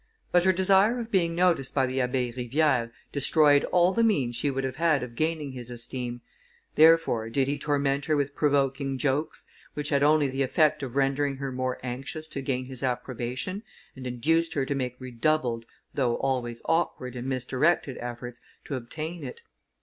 But her desire of being noticed by the Abbé Rivière destroyed all the means she would have had of gaining his esteem; therefore, did he torment her with provoking jokes, which had only the effect of rendering her more anxious to gain his approbation, and induced her to make redoubled, though always awkward and misdirected efforts to obtain it.